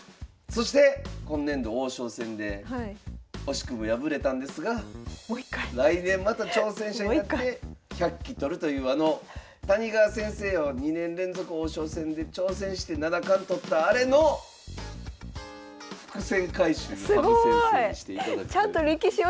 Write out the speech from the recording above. そして今年度王将戦で惜しくも敗れたんですが来年また挑戦者になって１００期取るというあの谷川先生を２年連続王将戦で挑戦して七冠取ったあれの伏線回収を羽生先生にしていただくという。